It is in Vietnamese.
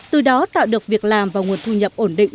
từ đó tạo được việc làm và nguồn thu nhập ổn định